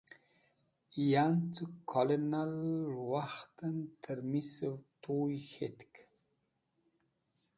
Yan cẽ kolonal wakhtẽn tẽrmisẽv tuy k̃htk.